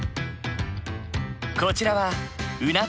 こちらはうな丼。